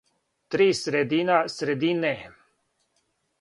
Три средина средине